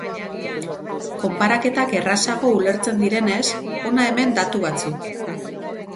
Konparaketak errazago ulertzen direnez, hona hemen datu batzuk.